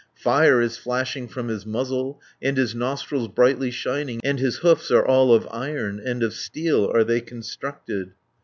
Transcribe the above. Fire is flashing from his muzzle, And his nostrils brightly shining, And his hoofs are all of iron, And of steel are they constructed.